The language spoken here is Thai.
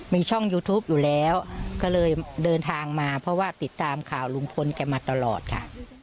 มีช่องยูทูปอยู่แล้วก็เลยเดินทางมาเพราะว่าติดตามข่าวลุงพลแกมาตลอดค่ะ